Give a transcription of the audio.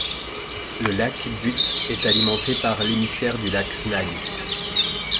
Le lac Butte est alimenté par l'émissaire du lac Snag.